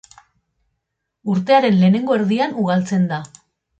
Urtearen lehenengo erdian ugaltzen da.